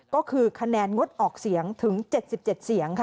ก็คือคะแนนงดออกเสียงถึง๗๗เสียงค่ะ